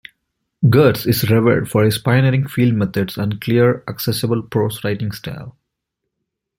Geertz is revered for his pioneering field methods and clear, accessible prose writing style.